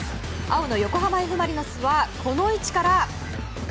青の横浜Ｆ・マリノスはこの位置から！